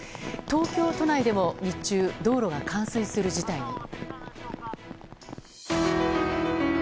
東京都内でも日中道路が冠水する事態に。